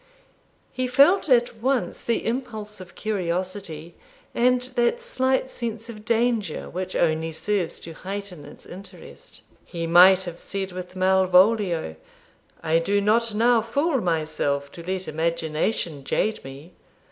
He felt at once the impulse of curiosity, and that slight sense of danger which only serves to heighten its interest. He might have said with Malvolio, '"I do not now fool myself, to let imagination jade me!"